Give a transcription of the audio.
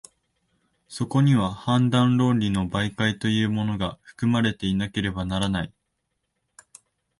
そこには判断論理の媒介というものが、含まれていなければならない。